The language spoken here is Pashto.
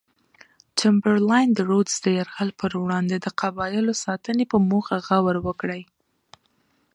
چمبرلاین د رودز د یرغل پر وړاندې د قبایلو ساتنې په موخه غور وکړي.